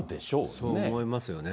そう思いますよね。